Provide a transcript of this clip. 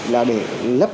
là để lấp